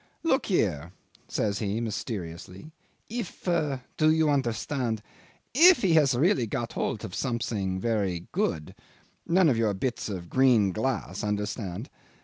"Look here," says he mysteriously, "if do you understand? if he has really got hold of something fairly good none of your bits of green glass understand?